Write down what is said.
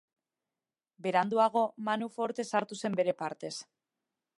Beranduago, Manu Forte sartu zen bere partez.